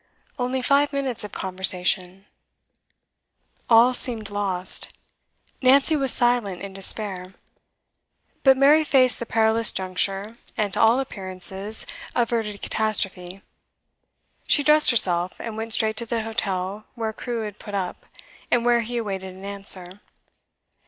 Only five minutes of conversation All seemed lost. Nancy was silent in despair. But Mary faced the perilous juncture, and, to all appearances, averted catastrophe. She dressed herself, and went straight to the hotel where Crewe had put up, and where he awaited an answer.